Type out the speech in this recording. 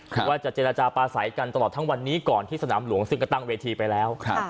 ว่าจะเจรจาปลาใสกันตลอดทั้งวันนี้ก่อนที่สนามหลวงซึ่งก็ตั้งเวทีไปแล้ว